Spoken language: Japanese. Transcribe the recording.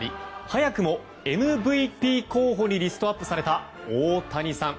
早くもＭＶＰ候補にリストアップされた大谷さん。